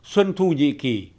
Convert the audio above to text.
xuân thu nhị kỳ